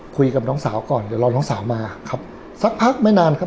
คุยกับน้องสาวก่อนเดี๋ยวรอน้องสาวมาครับสักพักไม่นานครับ